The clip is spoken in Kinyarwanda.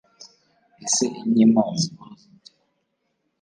Ese Inkima zibaho zite